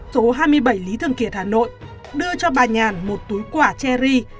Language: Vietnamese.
số hai mươi bảy lý thường kiệt hà nội đưa cho bà nhàn một túi quả cherry